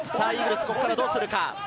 ここからどうするか？